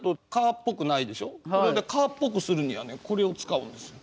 これを蚊っぽくするにはねこれを使うんですよ。